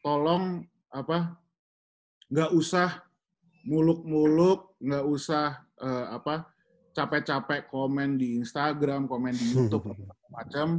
tolong nggak usah muluk muluk nggak usah capek capek komen di instagram komen di youtube macam